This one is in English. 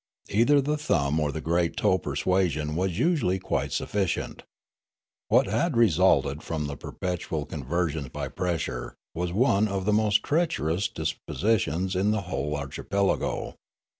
Either the thumb or the great toe persuasion was usually quite suf ficient. What had resulted from the perpetual conver sions by pressure was one of the most treacherous dispos itions in the whole archipelago.